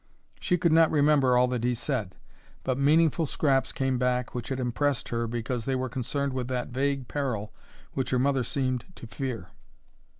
She could not remember all that he said, but meaningful scraps came back which had impressed her because they were concerned with that vague peril which her mother seemed to fear.